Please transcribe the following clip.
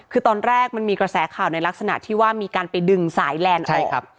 คือตอนแรกมันมีกระแสข่าวในลักษณะที่ว่ามีการไปดึงสายแลนด์ออก